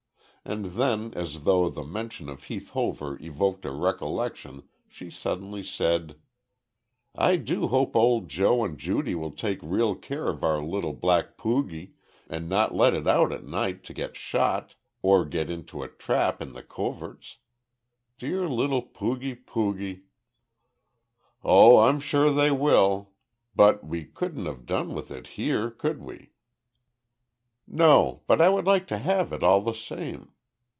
And then as though the mention of Heath Hover evoked a recollection she suddenly said: "I do hope old Joe and Judy will take real care of our little black poogie, and not let it out at night to get shot, or get into a trap in the coverts dear little pooge pooge?" "Oh, I'm sure they will. But we couldn't have done with it here, could we?" "No, but I would like to have it all the same.